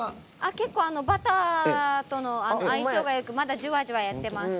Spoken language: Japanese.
結構、バターとの相性がよくまだ、じゅわじゅわやってます。